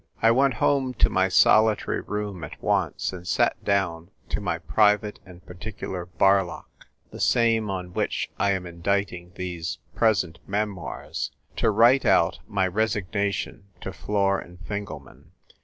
I went home to my solitary room at once, and sat down to my private and par ticular Barlock — the same on which I am in diting these present memoirs — to write out my resignation to Flor and Fingelman.